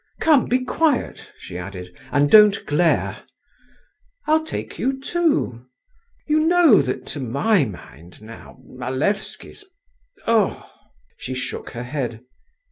Come, be quiet," she added, "and don't glare. I'll take you too. You know that to my mind now Malevsky's—ugh!" She shook her head.